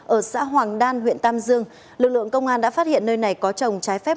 ở xã hoàng đan huyện tam dương lực lượng công an đã phát hiện nơi này có trồng trái phép